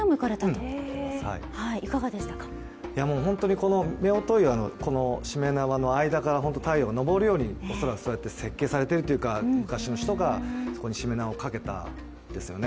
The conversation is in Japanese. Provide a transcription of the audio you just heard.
この夫婦岩のしめ縄の間から太陽が昇るように設計されているというか、昔の人がそこにしめ縄をかけたんですよね。